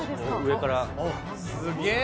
すげえ。